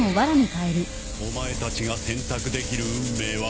お前たちが選択できる運命は限られている。